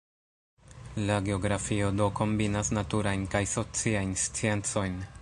La geografio do kombinas naturajn kaj sociajn sciencojn.